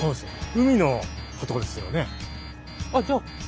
海のことですよね。